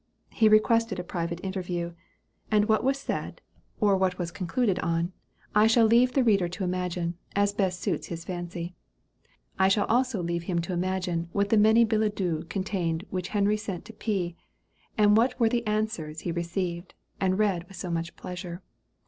He requested a private interview, and what was said, or what was concluded on, I shall leave the reader to imagine, as best suits his fancy. I shall also leave him to imagine what the many billets doux contained which Henry sent to P., and what were the answers he received, and read with so much pleasure.